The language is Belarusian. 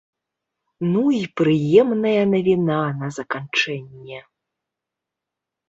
Ну і прыемная навіна на заканчэнне.